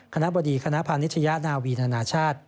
คณะบดีคณะพาณิชยานาวีธนาชาติ